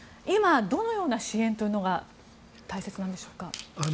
今、どのような支援というのが大切なんでしょうか？